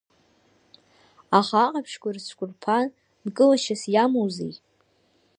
Аха аҟаԥшьқәа рыцәқәырԥа нкылашьас иамоузеи?